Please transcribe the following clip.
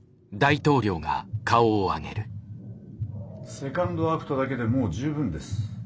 「セカンドアクトだけでもう十分です。